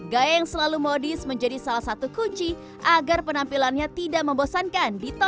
gaya yang selalu modis menjadi salah satu kunci agar penampilannya tidak membosankan